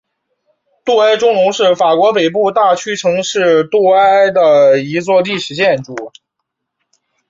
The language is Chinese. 杜埃钟楼是法国北部大区城市杜埃的一座历史建筑。